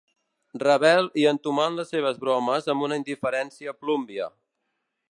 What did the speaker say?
Ravel i entomant les seves bromes amb una indiferència plúmbia.